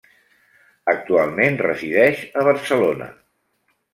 Actualment resideix a Barcelona.